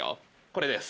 これです。